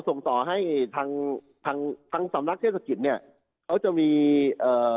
ส่งต่อให้ทางทางสำนักเทศกิจเนี่ยเขาจะมีเอ่อ